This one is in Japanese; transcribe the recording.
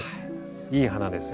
いい花ですよ